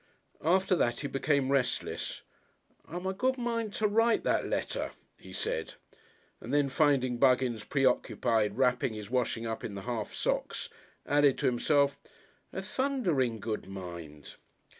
After that he became restless. "I'm a good mind to write that letter," he said, and then, finding Buggins preoccupied wrapping his washing up in the "half sox," added to himself, "a thundering good mind."